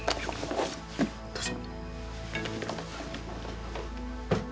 どうぞ。